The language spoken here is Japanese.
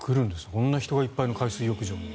こんな人がいっぱいの海水浴場に。